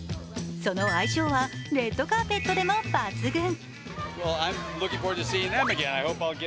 その相性はレッドカーペットでも抜群。